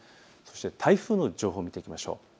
台風の情報を見ていきましょう。